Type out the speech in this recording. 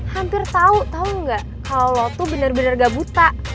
hampir tau tau ga kalo lo tuh bener bener ga buta